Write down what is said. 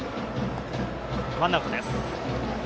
ワンアウトです。